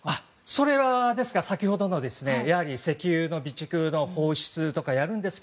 それは、先ほどの石油の備蓄の放出とか。